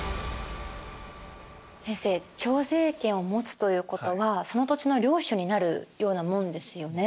先生徴税権を持つということはその土地の領主になるようなもんですよね。